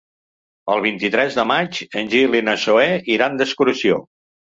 El vint-i-tres de maig en Gil i na Zoè iran d'excursió.